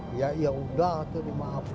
pada hari ini abah berada di kota kuala lumpur